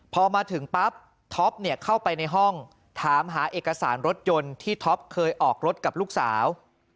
พอมาถึงปั๊บท็อปเข้าไปในห้องถามหาเอกสารรถยนต์ที่ท็อปเคยออกรถกับลูกสาว